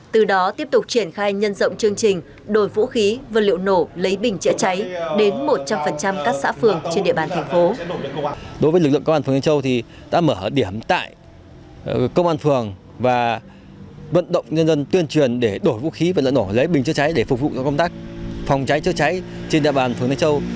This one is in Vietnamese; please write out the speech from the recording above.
từ đó tiếp tục triển khai nhân rộng chương trình đổi vũ khí và liệu nổ lấy bình chữa cháy đến một trăm linh các xã phường trên địa bàn thành phố